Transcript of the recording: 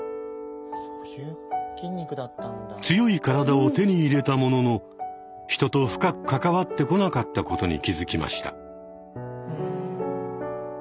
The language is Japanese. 強い体を手に入れたものの人と深く関わってこなかったことに気付きました。